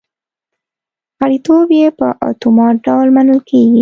غړیتوب یې په اتومات ډول منل کېږي